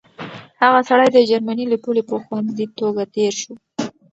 هغه سړی د جرمني له پولې په خوندي توګه تېر شو.